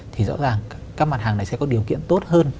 thì rõ ràng các mặt hàng này sẽ có điều kiện tốt hơn